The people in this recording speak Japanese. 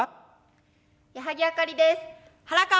矢作あかりです。